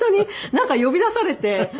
なんか呼び出されて。